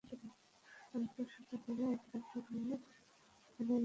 আমি তো সাথে করে আইডি কার্ড বয়ে বেড়াই না।